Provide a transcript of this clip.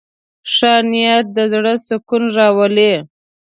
ښه نیت د زړه سکون راولي.